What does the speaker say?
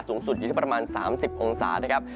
สูงสุดอยู่ที่ประมาณ๓๐องศานะครับ